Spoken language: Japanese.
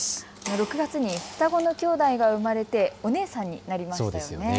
６月に双子のきょうだいが生まれてお姉さんになりましたよね。